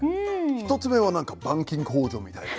１つ目は何か板金工場みたいな。